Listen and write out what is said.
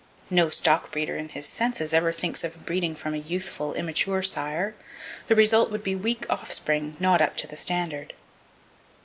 No stockbreeder in his senses ever thinks of breeding from a youthful, immature sire. The result would be weak offspring not up to the standard.